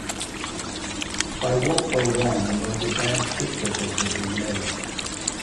By World War One the most advanced dip circles were being made.